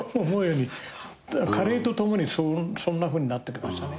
加齢と共にそんなふうになってきましたね。